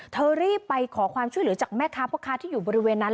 เธอรีบไปขอความช่วยเหลือจากแม่ค้าพ่อค้าที่อยู่บริเวณนั้น